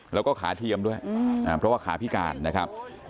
แล้วก็ขาเทียมด้วยเพราะว่าขาพิการนะครับ